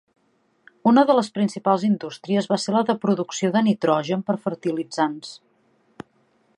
Una de les principals indústries va ser la de producció de nitrogen per fertilitzants.